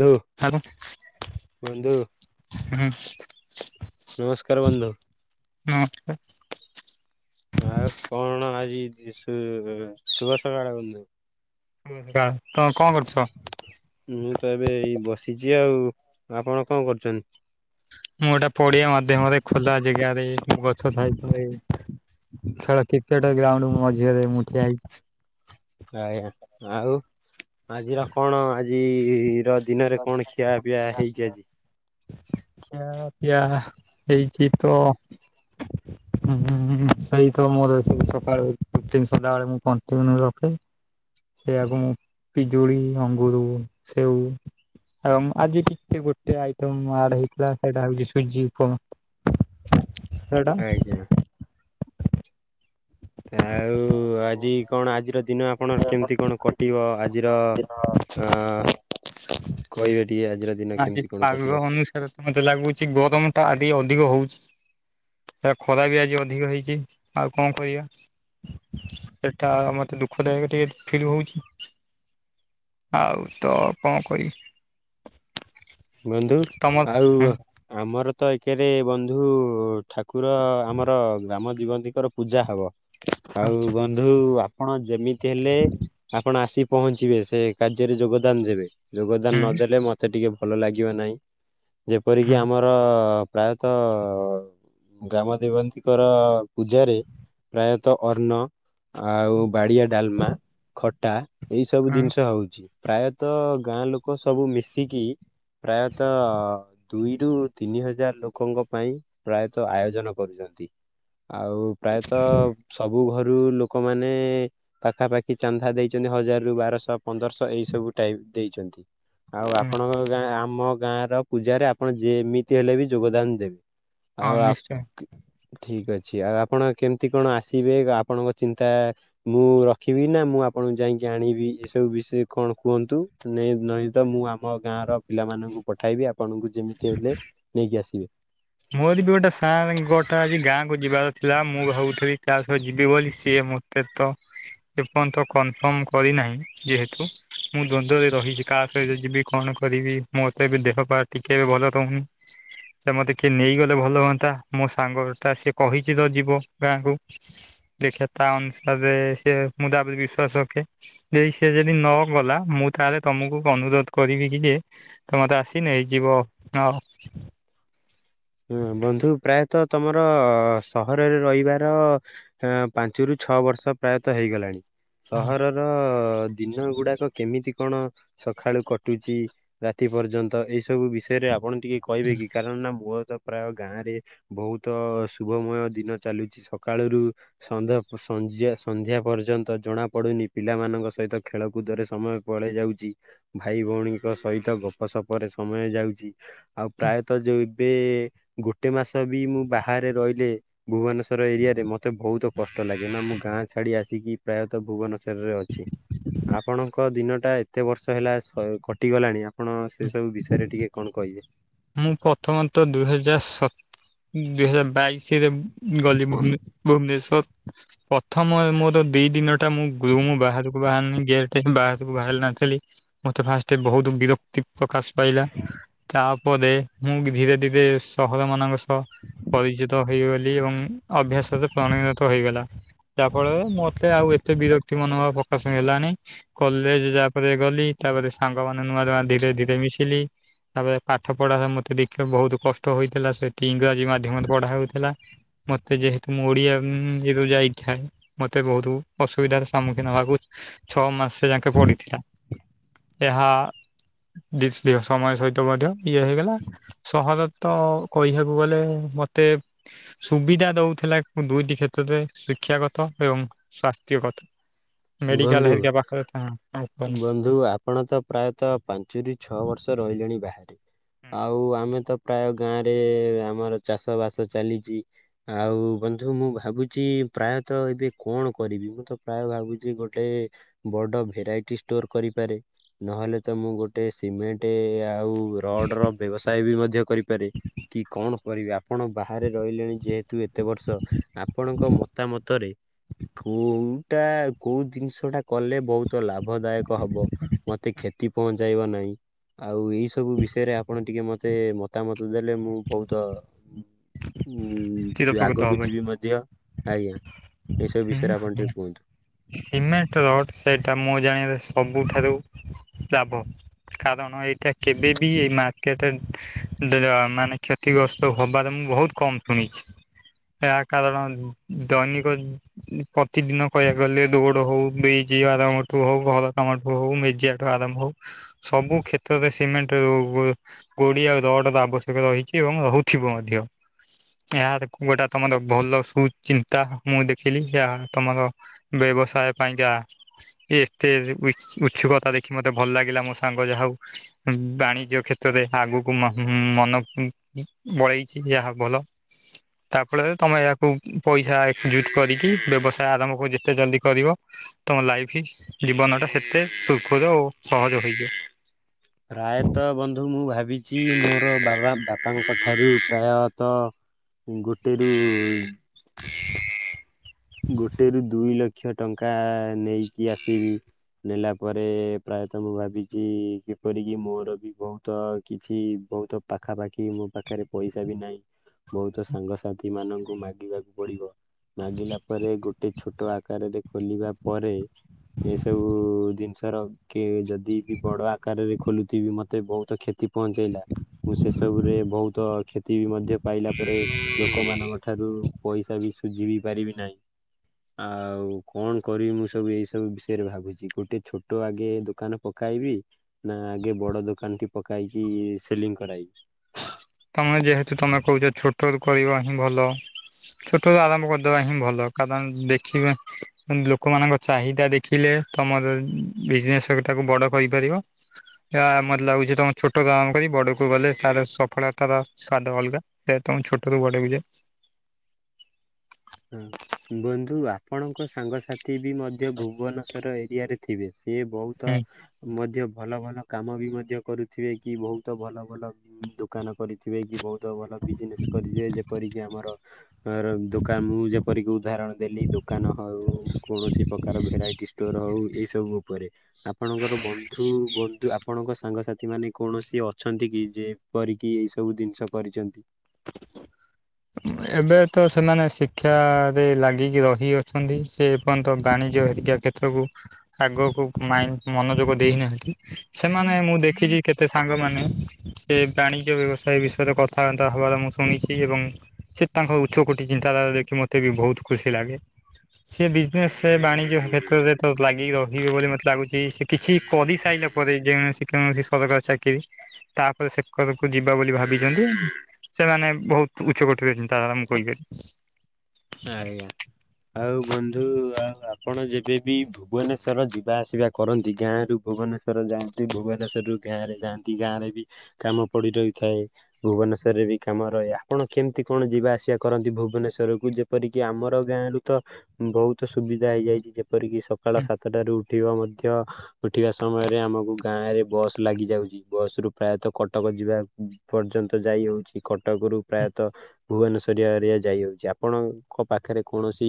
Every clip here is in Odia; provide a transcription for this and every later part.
ବନ୍ଧୁ ଆଉ ବନ୍ଧୁ ହୁଁ। ନମସ୍କାର ବନ୍ଧୁ। ହଁ। ଆଉ କଣ ଆଜି ବିଶୁ ଶୁଭ ସକାଳ ବନ୍ଧୁ ହଁ ବା ତ କଣ କରୁଛ? ମୁଁ ତ ଏବେ ଏଇ ବସିଛି ଆଉ। ଆପଣ କଣ କରୁଛନ୍ତି? ମୁଁ ଏଟା ପଡିଆ ମାଧ୍ୟ୍ୟମରେ ଖୋଲା ଜାଗାରେ ଗଛ ଛାଇତଳେ ଖେଳ କ୍ରିକେଟ ଗ୍ରାଉଣ୍ଡ ମଝିରେ ମୁଁ ଠିଆହେଇଛି। ଆଜ୍ଞା ଆଉ ଆଜିର କଣ ଆଜିର ଦିନରେ କଣ ଖିଆ ପିଆ ହେଇଛିି ଆଜି? ଖିଆ ପିଆ ହେଇଛି ତ ହୁଁ ହୁଁ ହୁଁ ସେଇ ତ ମୋର ସକାଳ ରୋଟିନ୍ ସଦାବେଳେ ମୁଁ କଣ୍ଟିନ୍ୟୁ ରଖେ। ସେଆକୁ ମୁଁ ପିଜୁଳି ଅଙ୍ଗୁର ସେଉ ଆମ୍ ଆଜି ଟିକେ ଗୋଟେ ଆଇଟମ୍ ଆଡ ହେଇଛି। ଥିଲା ସେଟା ହୋଉଛି ସୁଜି ଉପମା। ସେଇଟା ଆଜ୍ଞା। ଆଉ ଆଜି କଣ ଆଜିର ଦିନ ଆପଣଙ୍କ କେମିତି କଣ କଟିବ ଆଜିର ହଁ କହିବେ ଟିକେ ଆଜିର ଦିନ ଆଜି କେମିତି କଣ ପାଗ କଟିବା? ଅନୁସାରେ ତ ମତେ ଲାଗୁଛି ଗରମ ଟା ଆଦି ଅଧିକ ହଉଛି। ସେ ଖରା ବି ଆଜି ଅଧିକ ହେଇଛି ଆଉ କଣ କରିବାଆ ସେଟା ମତେ ଦୁଃଖଦାୟକ ଟିକେ ଫିଲ୍ ହଉଛି। ଆଉ ତ କଁ କରି ବନ୍ଧୁ ଆଉ ଅ ଆମର ତ ଏକେରେ ବନ୍ଧୁ ଠାକୁର ଆମର ଗ୍ରାମ ଜୀବନ୍ତୀଙ୍କର ପୂଜା ହବ। ଆଉ ବ ନ୍ଧୁ ଆପଣ ଯେମିତି ହେଲେ ଆପଣ ଆସି ପହଞ୍ଚିବେ ସେ କାର୍ଯ୍ୟରେ ଯୋଗଦାନ ଦେବେ। ଯୋଗଦାନ ହୁଁ ନଦେଲେ ମତେ ଟିକେ ଭଲ ଲାଗିବ ନାହିଁ ହୁଁ ଯେପରିକି ଆମ ର ପ୍ରାୟତଃ ଗ୍ରାମ ଦେବନ୍ତୀଙ୍କର ପୂଜାରେ ପ୍ରାୟତଃ ଅନ୍ନ ଆଉ ବାଡି଼ଆ ଡ଼ାଲମା ଖଟା ଏଇ ସବୁ ହୁଁ ଦିନଷ ହଉଛି। ପ୍ରାୟତଃ ଗାଁ ଲୋକ ସବୁ ମିଶିକି ପ୍ରାୟତଃ ଦୁଇରୁ ତିନି ହଜାର ଲୋକଙ୍କ ପାଇଁ ପ୍ରାୟତଃ ଆୟୋଜନ କରୁଚନ୍ତି। ଆଉ ପ୍ରାୟତଃ ସବୁ ଘରୁ ଲୋକମାନେ ପାଖାପାଖି ଚାନ୍ଦା ଦେଇଚନ୍ତି ହଜାର ରୁ ବାରଶ ପନ୍ଦରଶ ଏଇ ସବୁ ଟାଇପ୍ ଦେଇଚନ୍ତି। ଆଉ ଆପଣଙ୍କ ଗାଁ ଆମ ଗାଁର ପୂଜାରେ ଆପଣ ଯେମିତି ହେଲେ ବି ଯୋଗଦାନ ଦେ ହଁ ଆଉ ଆ ନିଶ୍ଚୟ ଠିକ୍ ଅଛି ଆଉ ଆପଣ କେମତି କଣ ଆସିବେ ଆପଣଙ୍କ ଚିନ୍ତା ମୁଁ ରଖିବି ନାଁ ମୁଁ ଆପଣଙ୍କୁ ଯାଇକି ଆଣିବି ଏସବୁ ବିଷୟ କଣ କୁହନ୍ତୁ। ତ୍ ନେ ନହିଁ ତ ମୁଁ ଆମ ଗାଁର ପିଲାମାନଙ୍କୁ ପଠାଇବି ଆପଣଙ୍କୁ ଯେମିତି ହେଲେ ନେଇକି ଆସିବେ। ମୋର ବି ଗୋଟେ ସାର୍ ଗୋଟେ ଆଜି ଗାଁକୁ ଯିବାର ଥିଲା ମୁଁ ଭାବୁଥିଲି କା ସହ ଯିବି ବୋଲି ସିଏ ମୋ ତେ ତ ଏପନ୍ତ କନଫର୍ମ କରିନାହିଁ ଯେହେତୁ ମୁଁ ଦ୍ଵନ୍ଦ୍ୱରେ ରହିଚି କାହା ସହିତ ଯିବି କଣ କରିବି ମୋର ତ ଏବେ ଦେହ ପା ଟିକେ ଭଲ ରହୁନି। ସେ ମତେ କିଏ ନେଇଗଲେ ଭଲ ହୁଅନ୍ତା ମୋ ସାଙ୍ଗଟା ସିଏ କହିଛି ତ ଯିବ ଗାଁକୁ। ଦେଖିଆ ତା ଅନୁସାରେ ସେ ମୁଁ ତା ଓପରେ ବିଶ୍ଵାସ ରଖେ। ଦେଇ ସେ ଯଦି ନ ଗଲା ମୁଁ ତାହେଲେ ତମୁକୁ ଅନୁରୋଧ କରିବି କି ଯେ ତ ମତେ ଆସିନି ଯିବ ନ ହୁଁ ବନ୍ଧୁ ପ୍ରାୟତଃ ତମର ସହରରେ ରହିବାର ହ ପାଞ୍ଚରୁ ଛଅ ବର୍ଷ ପ୍ରାୟତଃ ହେଇଗଲାଣି ସହର ର ଦିନ ଗୁଡ଼ାକ କେମିତି କଣ ସଖାଳୁ କଟୁଚି ରାତି ପର୍ଯ୍ୟନ୍ତ ଏଇ ସବୁ ବିଷୟରେ ଆପଣ ଟିକେ କହିବେ କି କାରଣ ନା ମୋ ତ ପ୍ରାୟ ଗାଁରେ ବୋହୁତ ଶୁଭମୟ ଦିନ ଚାଲୁଚି ସକାଳରୁ ସଞ୍ଜ ସଞ୍ଜ୍ୟା ସନ୍ଧ୍ୟା ପର୍ଯ୍ୟନ୍ତ ଜଣା ପଡ଼ୁନି ପିଲାମାନଙ୍କ ସହିତ ଖେଳକୁଦରେ ସମୟ ପଳେଇ ଯାଉଚି। ଭାଇ ଭୋଉଣୀଙ୍କ ସହିତ ଗପସପରେ ସମୟ ଯାଉଚି ଆଉ ପ୍ରାୟତଃ ଯୋଉ ଏବେ ଗୋଟେ ମାସ ବି ମୁଁ ବାହାରେ ରହିଲେ ଭୁବନେଶ୍ଵର ଏରିଆରେ ମତେ ବହୁତ କଷ୍ଟ ଲାଗେ ନାଁ ମୁଁ ଗାଁ ଛାଡ଼ି ଆସିକି ପ୍ରାୟତଃ ଭୁବନ ତରରେ ଅଛି ଆପଣଙ୍କ ଦିନଟା ଏତେ ବର୍ଷ ହେଲା ସ କଟିଗଲାଣି ଆ ଆପଣ ସେ ସବୁ ବିଷୟରେ ଟିକେ କଣ କହିବେ। ମୁଁ ପଥମତଃ ଦୁଇ ହଜାର ସ ଦୁଇ ହଜାର ବାଇ ଶିରେ ଗଲି ଭୁନେ ଗଲି ଭୁବନେଶ୍ଵର। ପଥମ ମୋର ଦି ଦିନଟା ମୁଁ ଗୃହର ବାହାରକୁ ବାହାରିନି ଗେଟ ବାହାରକୁ ବାହାରି ନଥିଲି। ମତେ ଫାଷ୍ଟେ ବହୁତ ବିରକ୍ତି ପ୍ରକାଶ ପାଇଲା ତା ପରେ ମୁଁ ଧୀରେ ଧୀରେ ସହରମାନଙ୍କ ସହ ପରିଚିତ ହେଇଗଲି ଏବଂ ଅଭ୍ୟାସରେ ପ୍ରଣିଣତ ହୋଇଗଲା। ଯାହା ଫଳରେ ମତେ ଆଉ ଏତେ ବିରକ୍ତି ମନୋଭାବ ପକାଶ ହେଲାଣି। କଲେଜ୍ ଯା ପରେ ଗଲି ତାପରେ ସାଙ୍ଗ ମାନେ ନୂଆ ନୂଆ ଧୀରେ ଧୀରେ ମିଶିଲି ତାପରେ ପାଠ ପଢ଼ାରେ ମୋତେ ଦେଖେ ବହୁତ କଷ୍ଟ ହୋଇଥିଲା ସେଠି ଇଂରାଜୀ ମାଧ୍ୟମରେ ପଢ଼ା ହୋଉଥୁଲା। ମତେ ଯେହେତୁ ମୁଁ ଓଡ଼ିଆ ମ୍ୟୁଜିରୁ ଯାଇଥାଏ ମତେ ବହୁତୁ ଅସୁବିଧାର ସମ୍ମୁଖୀନ ହବାକୁ ଛଅ ମାସ ତ ଯାଙ୍କେ ପଡ଼ିଥିଲା। ଏହା ଦିସ୍ ପିଅ ସମୟ ସହିତ ମଧ୍ୟ ଇଏ ହେଇଗଲା ସହରରେ ତ କହିବାକୁ ଗଲେ ମତେ ସୁବିଧା ଦୋଉଥିଲା ଦୁଇଟି କ୍ଷେତ୍ରରେ ଶିକ୍ଷାଗତ ଏବଂ ସ୍ଵାସ୍ଥ୍ୟଗତ ମେଡିକାଲ ବନ୍ଧୁ ହେରିକା ପାଖେରେ [unintelligible] ବନ୍ଧୁ ଆପଣ ତ ପ୍ରାୟତଃ ପାଞ୍ଚରୁ ଛଅ ବର୍ଷ ରହିଲେଣି ବାହାରେ ଆଉ ଆମେ ତ ପ୍ରାୟ ଗାଁରେ ଆମର ଚାଷ ବାସ ଚାଲିଚି। ଆଉ ବନ୍ଧୁ ମୁଁ ଭାବୁଚି ପ୍ରାୟତଃ ଏବେ କଣ କରିବି ମୁଁ ତ ପ୍ରାୟ ଭାବୁ ଚି ଗୋଟେ ବଡ ଭେରାଇଟି ଷ୍ଟୋର କରିପାରେ ନହେଲେ ତ ମୁଁ ଗୋଟେ ସିମେଣ୍ଟେ ଆଉ ରଡ ର ବ୍ୟବସାୟ ବି ମଧ୍ୟ କରିପାରେ କି କଣ କରିବା ଆପଣ ବାହାରେ ରହିଲେଣି ଯେହେତୁ ଏତେ ବର୍ଷ ଆପଣଙ୍କ ମତାମତରେ କୋଉଟା କୋଉ ଜିନିଷ ଟା କଲେ ବୋହୁତ ଲାଭ ଦାୟକ ହବ ମତେ କ୍ଷ ତି ପହଞ୍ଚାଇବା ନାଇଁ। ଆଉ ଏଇ ସବୁ ବିଷୟରେ ଆପଣ ଟିକେ ମତେ ମତାମତ ଦେଲେ ମୁଁ ବୋହୁତ ଉଁ ଚିରପକୃତ ଆଗକୁ ଯିବି ମଧ୍ୟ ଆଜ୍ଞା। ଏସବୁ ହୁଁ ବିଷୟରେ ଆପଣ ହୁଁ। ଟିକେ କୁହନ୍ତୁ। ସିମେଣ୍ଟ ରଡ ସେଇଟା ମୁଁ ଜାଣିବାରେ ସବୁଠାରୁ ଲାଭ। କାରଣ ଏଇଟା କେବେ ବି ଏଇ ମାର୍କେଟ [unintelligible] ମାନେ କ୍ଷ ତିଗ୍ରସ୍ତ ହବାରେ ମୁଁ ବୋହୁତ କମ ଶୁଣିଛି ଏହା କାରଣ ଦୈନି [unintelligible] ପ୍ରତିଦିନ କହିବାକୁ ଗଲେ ରୋଡ ହୋଉ ବ୍ରିଚି ଆରାମଠୁ ହୋଉ ଘର କାମଠୁ ହୋଉ ମେଜଆ ଠୁ ଆରମ୍ଭ ହୋଉ ସବୁ କ୍ଷେତ୍ରରେ ସିମେଣ୍ଟେ [unintelligible] [unintelligible] ଆଉ ରଡର ଆବଶ୍ୟକ ରହିଛି ଏବଂ ରୋହୁଥୁବ ମଧ୍ୟ। ଏହା [unintelligible] ତମର ଭଲ ସୁ ଚିନ୍ତା। ମୁଁ ଦେଖିଲି ଏହା ତମର ବ୍ୟବସାୟ ପାଇଁକା ଏତେ [unintelligible] ଉଛୁକତା ଦେଖି ମତେ ଭଲ ଲାଗିଲା ମୋ ସାଙ୍ଗ ଯାହା ହୋଉ ବାଣିଜ୍ୟ କ୍ଷେତ୍ରରେ ଆଗୁକୁ ମ ମନ ବଳେଇଛି ଏହା ଭଲ ତା ଫଳରେ ତମେ ଏହାକୁ ପଇସା ଜୁଟ୍ କରିକି ବ୍ୟବସାୟ ଆରମ୍ଭକୁ ଯେତେ ଜଲ୍ଦି କରିବ ତମ ଲାଇଫି ଜୀବନ ଟା ସେତେ ସୁରଖୁରୁ ସହଜ ହୋଇଯିବ। ପ୍ରାୟତ ବନ୍ଧୁ ମୁଁ ଭାବିଛି ମୋରୋ ବାବା ବାପାଙ୍କ ଠାରୁ ପ୍ରାୟତଃ ଗୋଟେରୁ ଗୋଟେରୁୁ ଦୁଇ ଲକ୍ଷ ଟଙ୍କା ନେଇକି ଆସିବି। ନେଲା ପରେ ପ୍ରାୟତଃ ମୁଁ ଭାବିଚି କିପରିକି ମୋର ବି ବୋହୁତ କିଛି ବୋହୁତ ପାଖା ପାାଖି ମୋ ପାଖେରେ ପଇସା ବି ନାଇଁ। ବୋହୁତ ସାଙ୍ଗସାଥି ମାନଙ୍କୁ ମାଗିବାକୁ ପଡିବ ମାଗିଲା ପରେ ଗୋଟେ ଛୋଟୋ [unintelligible] ଖୋଲିବା ପରେ ଏସବୁ ଦି ଜିନିଷର କେ ଯଦି ବି ବଡ ଆକାରରେ ଖୋଲୁଥିବି ମତେ ବୋହୁତ କ୍ଷତି ପହଞ୍ଚେଇଲା। ମୁଁ ସେ ସବୁରେ ବୋହୁତ କ୍ଷତି ବି ମଧ୍ୟ ପାଇଲା ପରେ ଲୋକୋମାନଙ୍କ ଠାରୁ ପଇସା ବି ସୁଜିବି ପାରିବି ନାହିଁ। ଆଉ କଣ କରିବି ମୁଁ ସବୁ ଏଇ ସବୁ ବିଷୟରେ ଭାବୁଛି ଗୋଟେ ଛୋଟୋ ଆଗେ ଦୋକାନ ପକାଇବି। ନା ଆଗେ ବଡ ଦୋକାନ ଟି ପକେଇକି ସେଲିଙ୍ଗି କରାଇବି। ତମେ ଯେହେତୁ ତମେ କୋହୁଚ ଛୋଟୋ ରୁ କରିବା ହିଁ ଭଲ ଛୋଟୋରୁ ଆରମ୍ଭ କ ଦବା ହିଁ ଭଲ କାରଣ ଦେଖିବେ ଲୋକୋମାନଙ୍କ ଚାହିଦା ଦେଖିଲେ ତମର ବିଜନେସ [unintelligible] ଟାକୁ ବଡ କରିପାରିବ। [unintelligible] ମତେ ଲାଗୁଛି ତମ ଛୋଟୋ ଗାଁକୁ କରି ବଡକୁ ଗଲେ ତାର ସଫଳତାର ସ୍ଵାଦ ଅଲଗା ସେ [unintelligible] ଛୋଟୋ ରୁ ବଡକୁ ଯାଏ। ହୁଁ ବନ୍ଧୁ ଆପଣଙ୍କ ସାଙ୍ଗସାଥି ବି ମଧ୍ୟ ଭୁବନଶ୍ଵର ଏରିଆ ରେ। ଥିବେ ସିଏ ବୋହୁତ ହୁଁ। ମଧ୍ୟ ଭଲ ଭଲ କାମ ବି ମଧ୍ୟ କରୁଥିବେ କି ବୋହୁତ ଭଲ ଭଲ ଦୋକାନ କରିଥିବେ କି ବୋହୁ ତ ଭଲ ବିଜନେସ୍ କରି [unintelligible] ଯେପରିକି ଆମର ଏଁର ଦୋ [unintelligible] ଯେପରିକି ଉଦାହରଣ ଦେଲି ଦୋକାନ ହଉ କୌଣସି ପ୍ରକାର ଭେରାଇଟି ଷ୍ଟୋର ହଉ ଏସବୁ ଉପରେ। ଆପଣଙ୍କର ବନ୍ଧୁ-ବନ୍ଧୁ ଆପଣଙ୍କ ସାଙ୍ଗସାଥି ମାନେ କୌଣସି ଅଛନ୍ତି କି ଯେ ପରିକି ଏଇ ସବୁ ଜିନିଷ କରିଚନ୍ତି? ଏବେ ତ ସେମାନେ ଶିକ୍ଷାରେ ଲାଗିକି ରହି ଅଛନ୍ତି, ସେ ଏପର୍ଯ୍ୟନ୍ତ ବାଣିଜ୍ୟ ହେରିକା କ୍ଷେ ତ୍ରକୁ ଆଗକୁ ମାଇଁ ମନୋଯୋଗ ଦେଇନାହାନ୍ତି, ସେମାନେ ମୁଁ ଦେଖିଚି କେ ତେ ସାଙ୍ଗମାନେ ସେ ବାଣିଜ୍ୟ ବ୍ୟବସାୟ ବିଷୟରେ କଥାବାର୍ତ୍ତା ହେବାର ମୁଁ ଶୁଣିଛି ଏବଂ ସେ ତାଙ୍କ ଉଚ୍ଚକୋଟି ଚିନ୍ତାଧାରା ଦେଖି ମୋତେ ବି ବହୁତ୍ ଖୁସି ଲାଗେ। ସିଏ ବିଜନେସ୍ ସେ ବାଣିଜ୍ୟ କ୍ଷେତ୍ରରେ ତ ଲାଗି ରହିବେ ବୋଲି ମତେ ଲାଗୁଚି, ସେ କିଛି କରିସାରିଲା ପରେ ଯେଣସି କୌଣସି ସରକାର ଚାକିରି ତାପରେ ସେ କରକୁ ଯିବା ବୋଲି ଭାବିଚନ୍ତି, ସେମାନେ ବହୁତ୍ ଉଚ୍ଚକୋଟିର ଚିନ୍ତାଧାରା ମୁଁ କହିପାରିବି। ଆଜ୍ଞା, ଆଉ ବନ୍ଧୁ ଆଉ ଆପଣ ଯେବେବି ଭୁବନେଶ୍ୱର ଯିବା ଆସିବା କରନ୍ତି ଗାଁରୁ ଭୁବନେଶ୍ୱର ଯାଆନ୍ତି, ଭୁବନେଶ୍ୱରରୁ ଗାଁରେ ଯାଆନ୍ତି ଗାଁରେ ବି କାମ ପଡି ରହିଥାଏ। ଭୁବନେଶ୍ୱରରେ ବି କାମ ରହେ, ଆପଣ କେମ୍ତି କଣ ଯିବା ଆସିବା କରନ୍ତି ଭୁବନେଶ୍ଵରକୁ ଯେ ଯେପରିକି ଆମର ଗାଁରୁ ତ ବହୁତ ସୁବିଧା ହେଇଯାଇଚି, ଯେପରିକି ସକାଳ ସାତଟାରୁ ଉଠିବ ମଧ୍ୟ ଉଠିବା ସମୟରେ ଆମକୁ ଗାଁରେ ବସ୍ ଲାଗିଯାଉଚି। ବସ୍ ରୁ ପ୍ରାୟତଃ କଟକ ଯିବା ପର୍ଯ୍ୟନ୍ତ ଯାଇ ହଉଚି, କଟକ ରୁ ପ୍ରାୟତଃ ଭୁବନେଶ୍ଵରୀଆ ହେରିକା ଯାଇ ହାଉଚି, ଆପଣଙ୍କ ପାଖେରେ କୌଣସି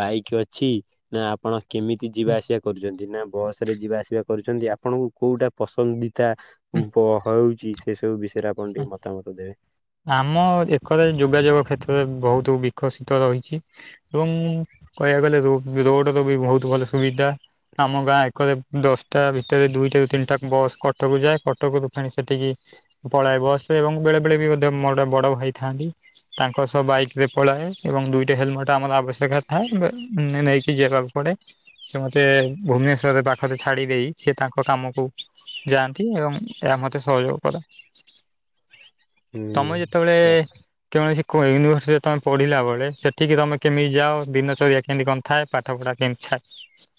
ବାଇକ୍ ଅଛି? ନା ଆପଣ କେମିତି ହୁଁ, ଯିବା ଆସିବା କରୁଚନ୍ତି ନା ବସ୍ ରେ ଯିବା ଆସିବା କରୁଚିନ୍ତି ଆପଣଙ୍କୁ କୋଉଟା ପସନ୍ଦିତା ହୁଁ, ପ ହଉଚି ସେ ସବୁ ବିଷୟରେ ଆପଣ ହୁଁ। ଟିକେ ମତାମତ ଦେବେ। ଆମ ଏକରେ ଯୋଗାଯୋଗ କ୍ଷେତ୍ରରେ ବହୁତୁ ବିକଶିତ ରହିଚି। ଏବଂ କହିବାକୁ ଗଲେ ରୋଡ ର ବି ବହୁତୁ ଭଲ ସୁବିଧା। ଆମ ଗାଁ ଏକରେ ଦଶଟା ଭିତରେ ଦୁଇଟା ତିନିଟା ବସ୍ କଟକ ଯାଏ, କଟକରୁ ଫେଣି ସେଠିକି ପଳାଏ ବସ୍ ରେ ଏବଂ ବେଳେ-ବଳେ ବି ମୋର ଗୋଟେ ବଡ ଭାଇ ଥାନ୍ତି ତାଙ୍କ ସହ ବାଇକ ରେ ପଳଏ ଏବଂ ଦୁଇଟା ହେଲମେଟ ଆମର ଆବଶ୍ୟକ। [unintelligible] ଥାଏ ବ ନେଇକି ଯିବାକୁ ପଡେ। ସେ ମତେ ଭୁବନେଶ୍ଵର ପାଖରେ ଛାଡି ଦେଇ ସିଏ ତାଙ୍କ କାମକୁ ଯାଆନ୍ତି ଏବଂ ଏହା ମତେ ସହଯୋଗ କରନ୍ତି। ହୁଁ ଯେତେବେଳେ [unintelligible] କୌଣସି ୟୁନିଭର୍ସିଟିରେ ତମେ ପଢିଲା ବଳେ ସେଠିକି ତମେ କେମିତି ଯଅ, ଦିନଚର୍ଯ୍ୟା କେମିତି କଣ ଥାଏ ପାଠପଢ଼ା କେମିତି [unintelligible] ହ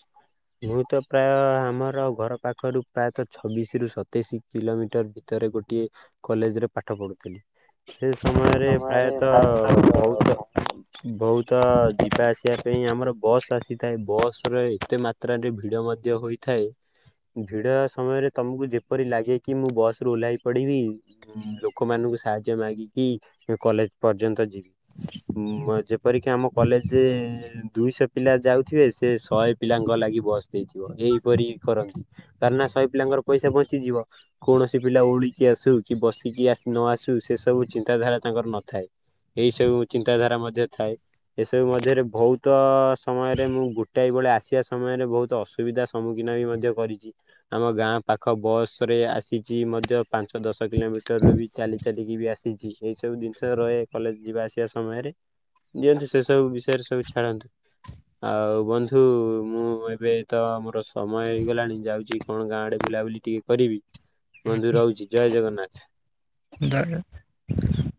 ମୁଁ ତ ପ୍ରାୟ ଆମର ଘର ପାଖରୁ ପ୍ରାୟତଃ ଛବିଶି ରୁ ସତେଇଶି କିଲୋମିଟର୍ ଭିତରେ ଗୋଟିଏ କଲେଜ୍ ରେ ପାଠ ପଢୁଥିଲି। ସେ ସମୟରେ ପ୍ରାୟତଃ ବହୁତ ବହୁତ ଯିବା ଆସିବା ପାଇଁ ଆମର ବସ୍ ଆସିଥାଏ, ବସ୍ ରେ ଏତେ ମାତ୍ ତ୍ରାରେ ରେ ଭିଡ଼ ମଧ୍ୟ ହୋଇଥାଏ। ଭିଡ ସମୟରେ ତମକୁ ଯେପରି ଲାଗେ କି ମୁଁ ବସ୍ ରୁ ଓହ୍ଲାଇ ପଡିବି ଲୋକମାନଙ୍କୁ ସାହାଯ୍ୟ ମାଗିକି କଲେଜ୍ ପର୍ଯ୍ୟନ୍ତ ଯିବି। ଯେପରିକି ଆମ କଲେଜ୍ ରେ ଦୁଇଶହ ପିଲା ଯାଉଥିବେ ସେ ଶହେ ପିଲାଙ୍କ ଲାଗି ବସ୍ ଦେଇଥିବ ଏହିପରି କରନ୍ତି କାର୍ ନା ଶହେ ପିଲାଙ୍କର ପଇସା ବଞ୍ଚିଯିବ। କୌଣସି ପିଲା ଉଳିକି ଆସୁ କି ବସିକି ନ ଆସୁ ସେ ସବୁ ଚିନ୍ତାଧାରା ତାଙ୍କର ନଥାଏ। ଏଇ ସବୁ ଚିନ୍ତାଧାରା ମଧ୍ୟ ଥାଏ। ଏସବୁ ମଧ୍ୟରେ ବହୁତ ସମୟରେ ମୁଁ ଗୋଟାଏ ବେଳେ ଆସିବା ସମୟରେ ବହୁତ ଅସୁବିଧା ସମ୍ମୁଖୀନ ବି ମଧ୍ୟ କରିଚି। ଆମ ଗାଁ ପାଖ ବସ୍ ରେ ଆସିଚି ମଧ୍ୟ ପାଞ୍ଚ ଦଶ କିଲୋମିଟର୍ ରେ ବି ଚାଲି ଚାଲିକି ବି ଆସିଛି, ଏଇ ସବୁ ଜିନିଷ ରହେ କଲେଜ୍ ଯିବା ଆସିବା ସମୟରେ। ଦିଅନ୍ତୁ ସେ ସବୁ ବିଷୟରେ ସବୁ ଛାଡ଼ନ୍ତୁ, ଆଉ ବନ୍ଧୁ ମୁଁ ଏବେ ତ ମୋର ସମୟ ହେଇଗଲାଣି ଯାଉଚି କଣ ଗାଁ ଆଡେ ବୁଲାବୁଲି ଟିକେ କରିବି। ବନ୍ଧୁ ରୋହୁଚି ଜୟେ ଜଗନ୍ନାଥ। ଦଳେ [inaudible]